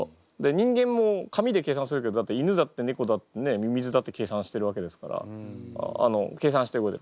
人間も紙で計算するけどだって犬だって猫だってミミズだって計算してるわけですから計算して動いてる。